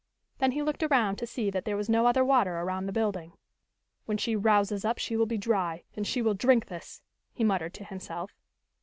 Then he looked around to see that there was no other water around the building. "When she rouses up she will be dry, and she will drink this," he muttered to himself.